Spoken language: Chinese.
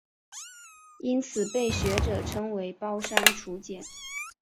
因此被学者称为包山楚简。